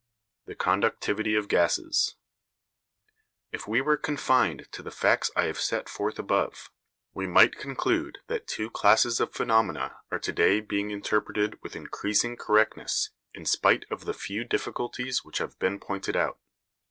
THE CONDUCTIVITY OF GASES If we were confined to the facts I have set forth above, we might conclude that two classes of phenomena are to day being interpreted with increasing correctness in spite of the few difficulties which have been pointed out.